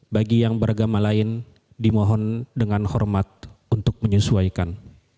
bagi yang beragama lain dimohon dengan hormat untuk menyesuaikan